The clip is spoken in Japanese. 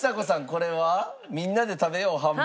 これはみんなで食べようハンバーグ。